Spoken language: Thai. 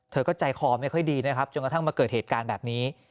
เธอก็ใจคอไม่ค่อยดีนะครับจนกระทั่งมาเกิดเหตุการณ์แบบนี้